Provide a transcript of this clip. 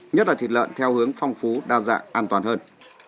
nhất là thịt lợn theo hướng phong phú đa dạng an toàn hơn